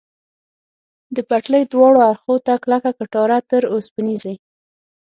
د پټلۍ دواړو اړخو ته کلکه کټاره، تر اوسپنیزې.